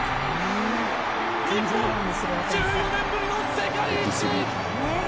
日本１４年ぶりの世界一！